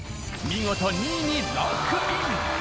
見事２位にランクイン！